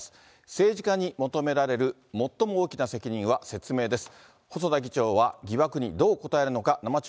政治家に求められる最も大きな責任は説明です。